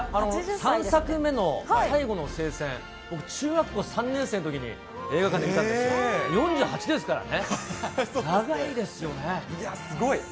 ３作目の最後の聖戦、僕、中学校３年生のときに映画館で見たんですけれども、４８ですからね。